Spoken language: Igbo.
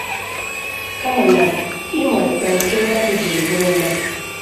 Kama na ị ma na nke mmadụ jiri bụrụ mmadụ